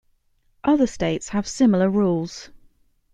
Other states have similar rules.